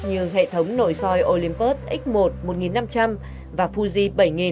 như hệ thống nội soi olympus x một một nghìn năm trăm linh và fuji bảy nghìn